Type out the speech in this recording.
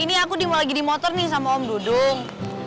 ini aku lagi dimotor nih sama om dudung